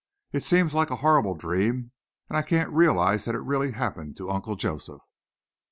It seems like a horrible dream, and I can't realize that it really happened to Uncle Joseph."